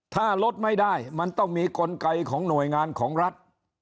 ถ้าลดไม่ได้มันต้องมีกลไกของหน่วยงานของรัฐ